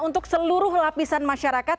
untuk seluruh lapisan masyarakat